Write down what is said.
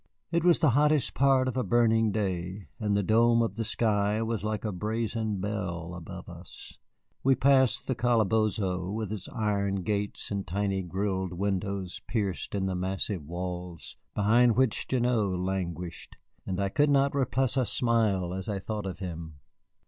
It was the hottest part of a burning day, and the dome of the sky was like a brazen bell above us. We passed the the calabozo with its iron gates and tiny grilled windows pierced in the massive walls, behind which Gignoux languished, and I could not repress a smile as I thought of him.